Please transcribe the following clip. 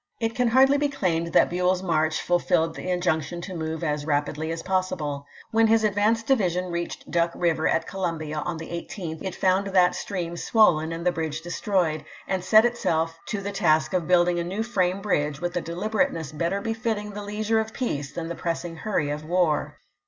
It can hardly be claimed that Buell's march ful filled the injunction to move " as rapidly as pos sible." When his advanced division reached Duck River at Columbia on the 18th it found that stream swollen and the bridge destroyed, and set itself to „.,, the task of building a new frame bridge with a Bnell to o o uarc^'^ii, dcliberateuess better befitting the leisure of peace ^^v.i. x'.,^' than the pressing hurry of war.